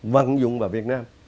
vận dụng vào việt nam